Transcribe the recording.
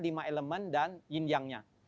lima elemen dan yin yang